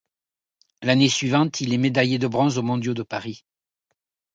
L'année suivante, il est médaillé de bronze aux Mondiaux de Paris.